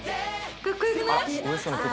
かっこよくない？